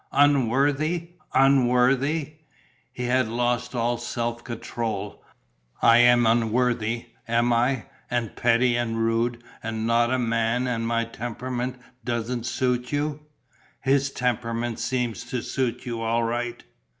"Unworthy? Unworthy?" He had lost all self control. "I am unworthy, am I, and petty and rude and not a man and my temperament doesn't suit you? His temperament seems to suit you all right!